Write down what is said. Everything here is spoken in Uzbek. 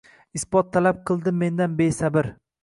Isbot talab qildi mendan besabr.